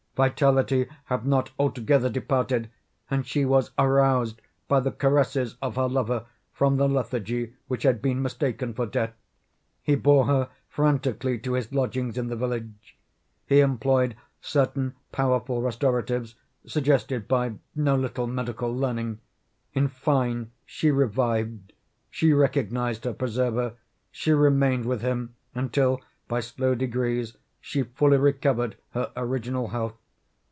Vitality had not altogether departed, and she was aroused by the caresses of her lover from the lethargy which had been mistaken for death. He bore her frantically to his lodgings in the village. He employed certain powerful restoratives suggested by no little medical learning. In fine, she revived. She recognized her preserver. She remained with him until, by slow degrees, she fully recovered her original health.